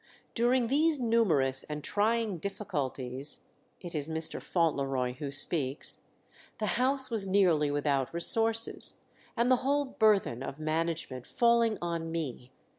"During these numerous and trying difficulties" it is Mr. Fauntleroy who speaks "the house was nearly without resources, and the whole burthen of management falling on me